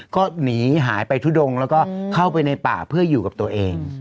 ก็หนีหายไปทุดงแล้วก็เข้าไปในป่าเพื่ออยู่กับตัวเอง